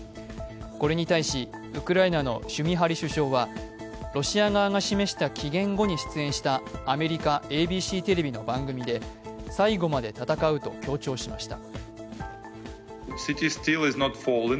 これに対しウクライナのシュミハリ首相は、ロシア側が示した期限後に出演したアメリカ・ＡＢＣテレビの番組で、最後まで戦うと強調しました。